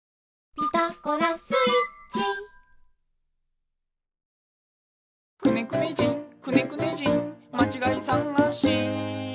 「ピタゴラスイッチ」「くねくね人くねくね人まちがいさがし」